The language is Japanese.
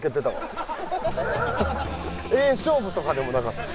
ええ勝負とかでもなかった。